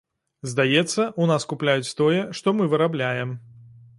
Здаецца, у нас купляюць тое, што мы вырабляем.